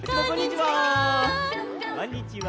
こんにちは。